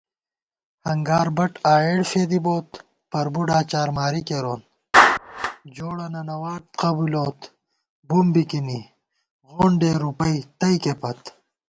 ہنگاربٹ آئېڑ فېدِی بوت پَربُوڈا چارماری کېرون * جوڑہ ننَوات قبُولوت بُم بِکِنئ غونڈے رُپَئ تئیکے پت